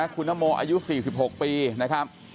คุณนโมอายุ๔๖ปีนะครับ